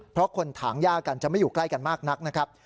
เพราะคนถางย่ากันจะไม่อยู่ใกล้กันมากนักนะครับ